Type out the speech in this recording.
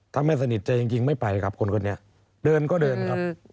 ถ้าไม่สนิทใจจริงไม่ไปครับคนคนนี้เดินก็เดินครับ